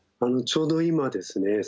ちょうど今ですね